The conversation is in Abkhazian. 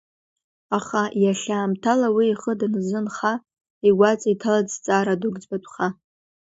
Аха иахьа аамҭала уи ихы даназынха, игәаҵа иҭалеит зҵаара дук ӡбатәха.